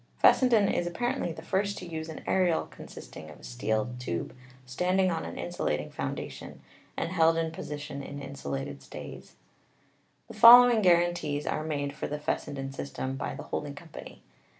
Fessenden is apparently the first to use an aerial consist 326 ELECTRICITY ing of a steel tube standing on an insulating foundation, and held in position by insulated stays. The following guarantees are made for the Fessenden system by the holding company.